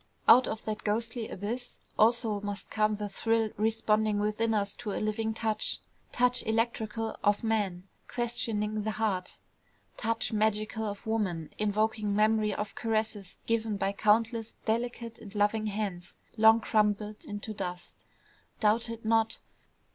Out of that ghostly abyss also must come the thrill responding within us to a living touch, touch electrical of man, questioning the heart, touch magical of woman, invoking memory of caresses given by countless delicate and loving hands long crumbled into dust. Doubt it not!